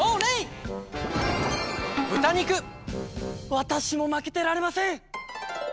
わたしもまけてられません！